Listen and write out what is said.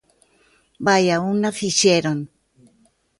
Vaia unha fixeron!